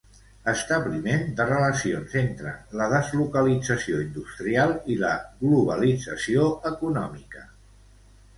Establiment de relacions entre la deslocalització industrial i la globalització econòmica.